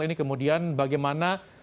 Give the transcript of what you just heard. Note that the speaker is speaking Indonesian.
ini kemudian bagaimana